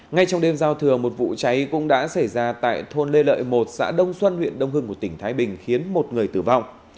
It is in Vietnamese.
ngay trong đêm giao thừa một vụ cháy cũng đã xảy ra tại thôn lê lợi một xã đông xuân huyện đông hưng của tỉnh thái bình khiến một người tử vong